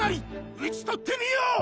討ち取ってみよ！